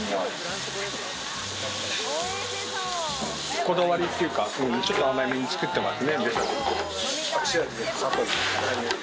こだわりっていうか、ちょっと甘めに作ってますね。